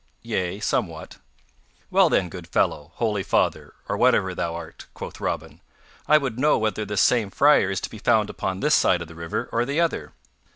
"Yea, somewhat." "Well then, good fellow, holy father, or whatever thou art," quoth Robin, "I would know whether this same Friar is to be found upon this side of the river or the other."